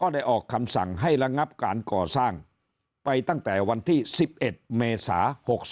ได้ออกคำสั่งให้ระงับการก่อสร้างไปตั้งแต่วันที่๑๑เมษา๖๒